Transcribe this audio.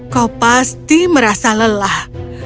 kau pasti merasa lelah